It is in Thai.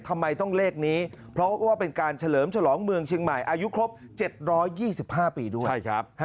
ทำไมต้องเลขนี้เพราะว่าเป็นการเฉลิมฉลองเมืองเชียงใหม่อายุครบ๗๒๕ปีด้วย